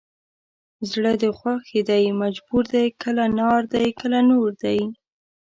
زړه د غوښې دی مجبور دی کله نار دی کله نور دی